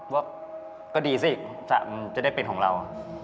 ว่าก็ดีสิมันจะได้เป็นของเรา